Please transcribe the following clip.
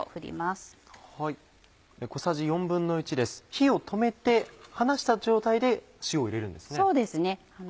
火を止めて離した状態で塩を入れるんですね。